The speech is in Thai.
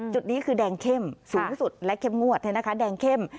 จุดนี้คือแดงเข้มสูงสุดและเข้มงวดแดงเข้ม